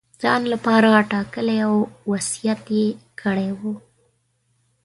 ځان لپاره ټاکلی او وصیت یې کړی وو.